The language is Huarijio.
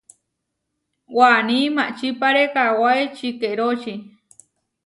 Waní maʼčipáre kawái čikeróči.